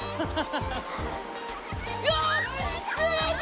よし釣れた！